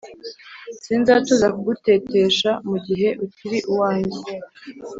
Sinzatuza kugutetesha mu gihe ukiri uwanjye